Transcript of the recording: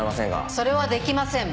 それはできません。